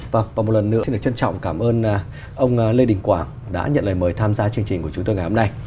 và một lần nữa xin được trân trọng cảm ơn ông lê đình quảng đã nhận lời mời tham gia chương trình của chúng tôi ngày hôm nay